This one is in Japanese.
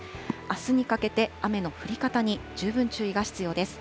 あすにかけて雨の降り方に十分注意が必要です。